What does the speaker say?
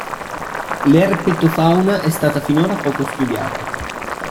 L'erpetofauna è stata finora poco studiata.